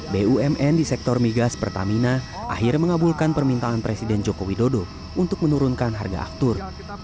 bumn di sektor migas pertamina akhirnya mengabulkan permintaan presiden joko widodo untuk menurunkan harga aftur